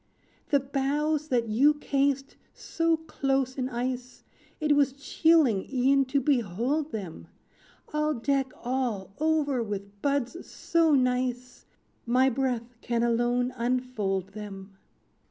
"The boughs that you cased so close in ice, It was chilling e'en to behold them, I'll deck all over with buds so nice; My breath can alone unfold them.